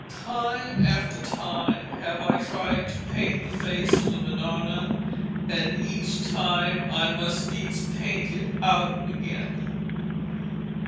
'Time after time have I tried to paint the face of the Madonna, and each time I must needs paint it out again.'